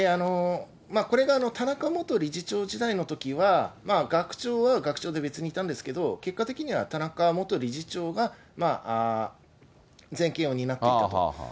これが田中元理事長時代のときは、学長は学長で別にいたんですけれども、結果的には田中元理事長が全権を担っていたと。